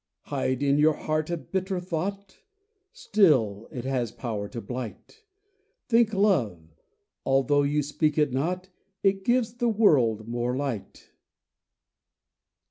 Hide in your heart a bitter thought— Still it has power to blight; Think Love—although you speak it not It gives the world more light.